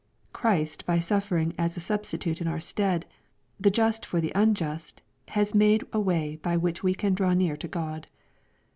Christ by suffering as a Substitute in our stead, the just for the unjust, has made a way by which we can draw near to God.